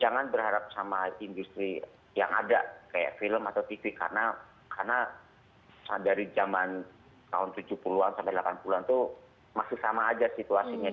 jangan berharap sama industri yang ada kayak film atau tv karena dari zaman tahun tujuh puluh an sampai delapan puluh an itu masih sama aja situasinya